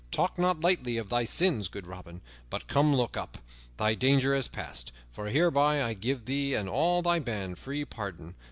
Talk not lightly of thy sins, good Robin. But come, look up. Thy danger is past, for hereby I give thee and all thy band free pardon.